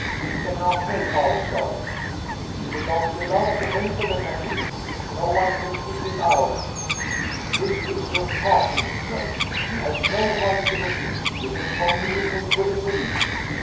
"We cannot help ourselves." "He should not be allowed to enter the café." "No one can keep him out." "This is surpassing strange. He has no right to the tips. You should communicate with the police."